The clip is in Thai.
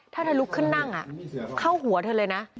ถ้าทะลุขึ้นนั่งอ่ะเข้าหัวเธอเลยนะ